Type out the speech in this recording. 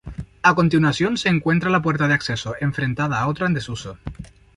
A continuación se encuentra la puerta de acceso, enfrentada a otra en desuso.